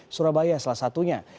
surabaya salah satunya